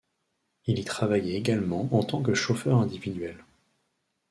Il y travaillait également en tant que chauffeur individuel.